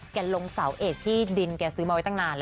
เก่งลงเสาเอกที่ดินเก่งซื้อมาไว้ตั้งนานล่ะ